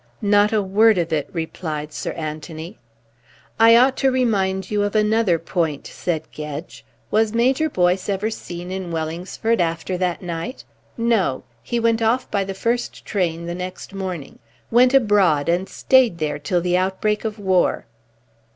"Not a word of it," replied Sir Anthony. "I ought to remind you of another point." said Gedge. "Was Major Boyce ever seen in Wellingsford after that night? No. He went off by the first train the next morning. Went abroad and stayed there till the outbreak of war."